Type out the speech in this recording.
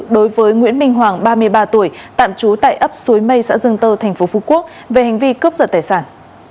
đối với nguyễn minh hoàng ba mươi ba tuổi tạm trú tại ấp suối mây xã dương tơ tp phú quốc về hành vi cướp giật tài sản